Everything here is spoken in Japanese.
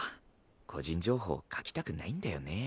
個人情報書きたくないんだよね。